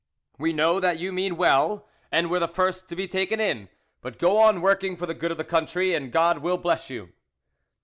We know that you mean well, and were the first to be taken in. But go on working for the good of the country, and God will bless you.